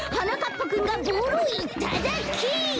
ぱくんがボールをいただき。